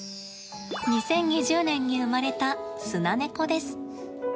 ２０２０年に生まれたスナネコです。